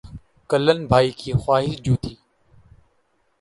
کلن بھائی کی خواہش جوتی